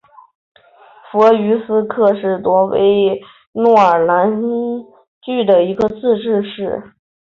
弗于斯克是挪威诺尔兰郡的一个自治市。